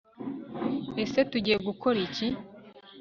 Ese Tugiye gukora iki